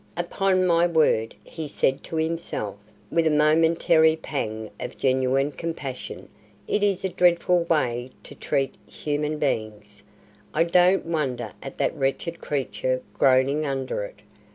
"Upon my word," he said to himself, with a momentary pang of genuine compassion, "it is a dreadful way to treat human beings. I don't wonder at that wretched creature groaning under it.